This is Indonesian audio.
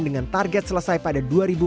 yang target selesai pada dua ribu empat puluh lima